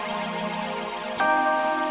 mas mas tunggu mas